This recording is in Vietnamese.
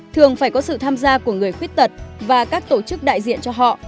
thường phải có sự tham gia của người khuyết tật và các tổ chức đại diện cho họ